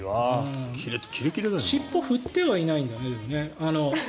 尻尾を振ってはいないんだよね。